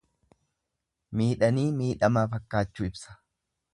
Miidhanii miidhamaa fakkaachuu ibsa.